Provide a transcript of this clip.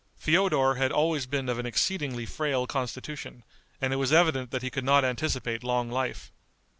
Feodor had always been of an exceedingly frail constitution, and it was evident that he could not anticipate long life.